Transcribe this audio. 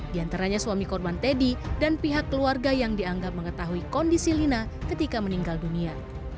di antaranya suami korban teddy dan pihak keluarga yang dianggap mengetahui kondisi lina ketika meninggal dunia